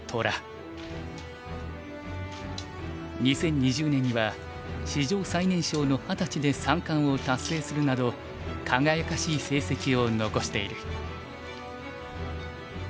２０２０年には史上最年少の二十歳で三冠を達成するなど輝かしい成績を残している。